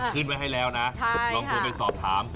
ขึ้นไว้ให้แล้วนะลองโทรไปสอบถาม